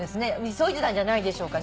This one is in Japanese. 急いでたんじゃないでしょうか。